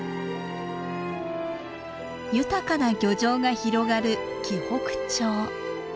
豊かな漁場が広がる紀北町。